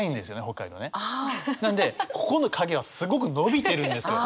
なのでここの影はすごく伸びてるんですよ。